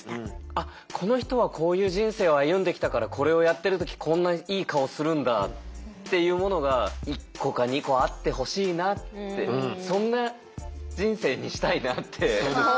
あっこの人はこういう人生を歩んできたからこれをやってる時こんないい顔するんだっていうものが１個か２個あってほしいなってそんな人生にしたいなって。